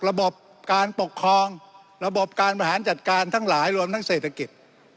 ระบบการปกครองระบบการบริหารจัดการทั้งหลายรวมทั้งเศรษฐกิจ